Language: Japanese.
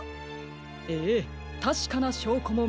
ええたしかなしょうこもみつけました。